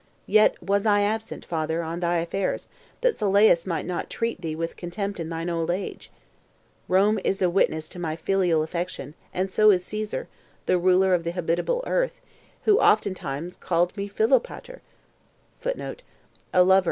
Yet was I absent, father, on thy affairs, that Sylleus might not treat thee with contempt in thine old age. Rome is a witness to my filial affection, and so is Caesar, the ruler of the habitable earth, who oftentimes called me Philopater.